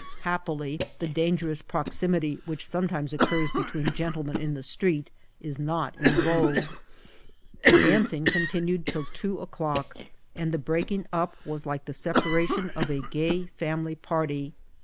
Happily, the dangerous proximity which sometimes occurs between gentlemen in the street 18 not in vogue. The dancing continued till two o'clock, and the breaking up was like the separation of a gay A NIOHT*BEAWL. SU17 family party.